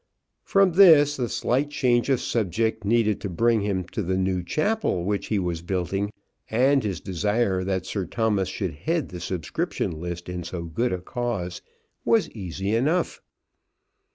From this the slight change of subject needed to bring him to the new chapel which he was building, and his desire that Sir Thomas should head the subscription list in so good a cause, was easy enough.